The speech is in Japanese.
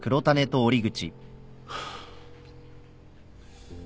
ハァ。